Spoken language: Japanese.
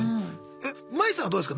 えマイさんはどうですか？